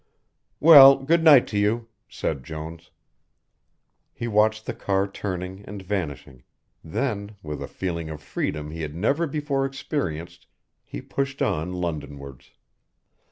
"Well, good night to you," said Jones. He watched the car turning and vanishing, then, with a feeling of freedom he had never before experienced, he pushed on London wards.